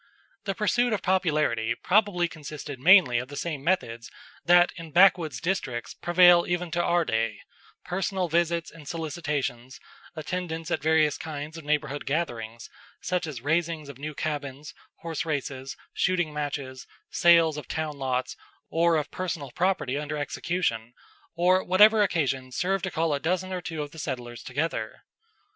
The pursuit of popularity probably consisted mainly of the same methods that in backwoods districts prevail even to our day: personal visits and solicitations, attendance at various kinds of neighborhood gatherings, such as raisings of new cabins, horse races, shooting matches, sales of town lots or of personal property under execution, or whatever occasion served to call a dozen or two of the settlers together.